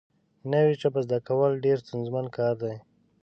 نوې ژبه زده کول ډېر ستونزمن کار دی